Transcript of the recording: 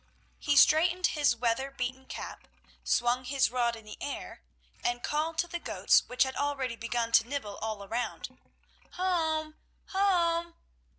He straightened his weather beaten cap, swung his rod in the air, and called to the goats which had already begun to nibble all around: "Home! Home!"